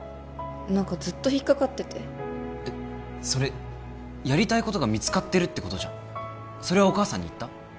何かずっと引っかかっててそれやりたいことが見つかってるってことじゃんそれはお母さんに言った？